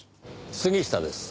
杉下です。